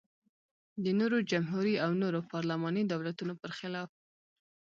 د نورو جمهوري او نورو پارلماني دولتونو پرخلاف.